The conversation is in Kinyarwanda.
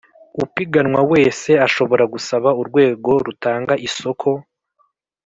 Upiganwa wese ashobora gusaba Urwego rutanga isoko